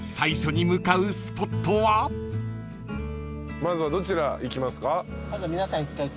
まずはどちら行きますか？